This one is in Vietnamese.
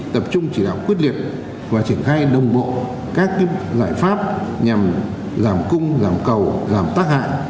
tập trung chỉ đạo quyết liệt và triển khai đồng bộ các giải pháp nhằm giảm cung giảm cầu giảm tác hại